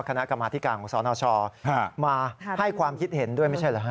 คณะกรรมาธิการของสนชมาให้ความคิดเห็นด้วยไม่ใช่เหรอฮะ